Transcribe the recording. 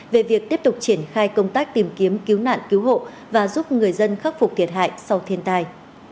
về việc tiếp tục triển khai công tác tìm kiếm cứu nạn cứu hộ và giúp người dân khắc phục thiệt hại sau thiên tai